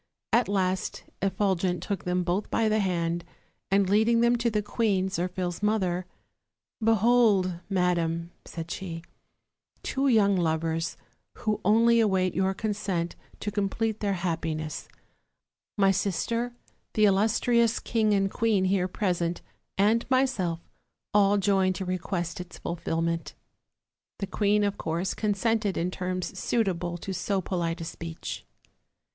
At last Effulgent took them both by the hand, and leading them to the queen, Zirphil's mother: "Behold, madam," said she, "two young lovers, who only await your consent to complete their happiness; my sister, the illustrious king and queen here present, and myself, all join to request its fulfillment/' The queen, of course, consented in terms suitable to so polite a speech.